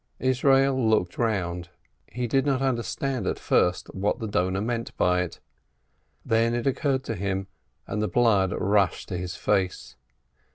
Yisroel looked round — he did not understand at first what the donor meant by it. Then it occurred to him — and the blood rushed to his face.